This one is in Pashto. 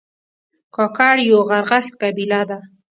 کاکړ یو غرغښت قبیله ده